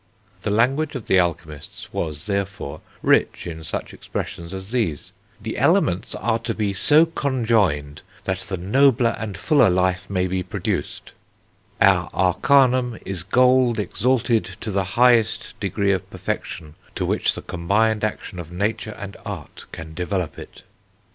The language of the alchemists was, therefore, rich in such expressions as these; "the elements are to be so conjoined that the nobler and fuller life may be produced"; "our arcanum is gold exalted to the highest degree of perfection to which the combined action of nature and art can develop it."